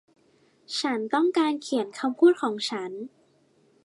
ฉันต้องการเขียนคำพูดของฉัน